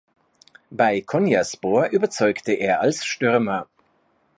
Bei Konyaspor überzeugte er als Stürmer.